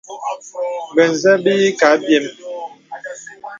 Bə̀zə̄ bə̀ ǐ kə̀ abyēm.